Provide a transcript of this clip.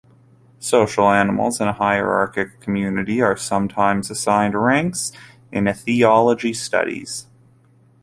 Social animals in a hierarchic community are sometimes assigned ranks in ethology studies.